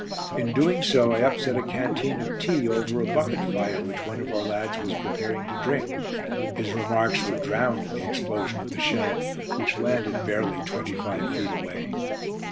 In doing so, I upset a canteen of tea over a bucket fire which one of our lads was preparing to drink. His remarks were drowned in the explosion of the shell, which landed barely twenty five feet away.